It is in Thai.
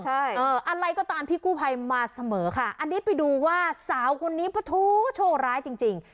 ใช่เอ่ออะไรก็ตามพี่กู้ไภมาเสมอค่ะอันนี้ไปดูว่าสาวคนนี้ประทูโชคร้ายจริงจริง